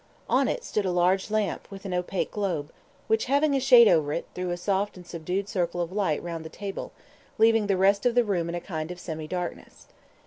On it stood a large lamp, with an opaque globe, which, having a shade over it, threw a soft and subdued circle of light round the table, leaving the rest of the room in a kind of semi darkness.